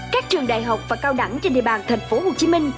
các trường đại học và cao đẳng trên địa bàn thành phố hồ chí minh